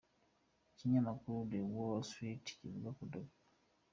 Ikinyamakuru The Wall Street kivuga ko Dr.